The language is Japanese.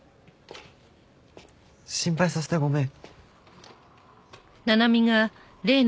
心配させてごめん。